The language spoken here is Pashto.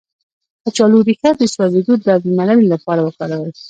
د کچالو ریښه د سوځیدو د درملنې لپاره وکاروئ